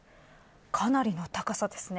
かなりの高さですね。